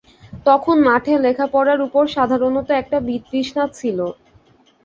তখন মঠে লেখাপড়ার উপর সাধারণত একটা বিতৃষ্ণা ছিল।